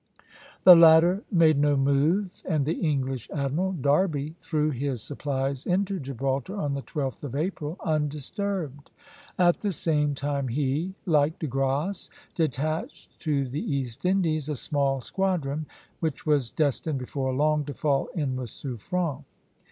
The latter made no move, and the English admiral, Derby, threw his supplies into Gibraltar on the 12th of April, undisturbed. At the same time he, like De Grasse, detached to the East Indies a small squadron, which was destined before long to fall in with Suffren.